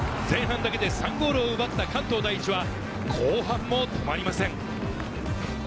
前半だけで３ゴールを奪った関東第一は後半も止まりません。